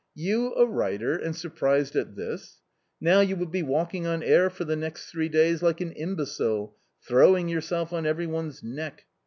You a^writer and surprised at this ? Jtfow you will be walking on air for the next three days like an imbecile, throwing yourself on every one's neck.